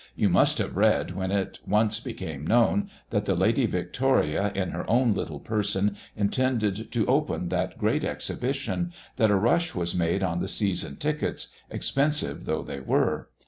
You must have read, when it once became known, that the Lady Victoria in her own little person intended to open that great Exhibition, that a rush was made on the season tickets, expensive though they were.